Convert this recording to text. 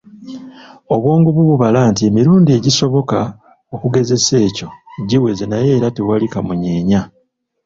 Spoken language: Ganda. Obwongo bwo bubala nti emirundi egisoboka okugesesa ekyo giweze naye era tewali kamunyeeya.